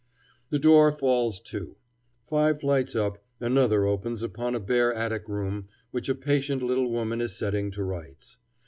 The door falls to. Five flights up, another opens upon a bare attic room which a patient little woman is setting to rights.